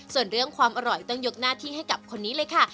ส่วนเรื่องความอร่อยต้องยกหน้าที่ให้กับคนนี้เลยค่ะ